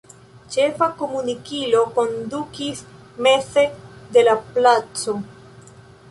Ĉefa komunikilo kondukis meze de la placo.